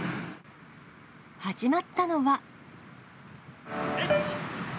始まったのは。